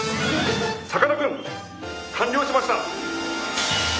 さかなクン完了しました！